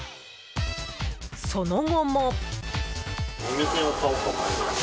その後も。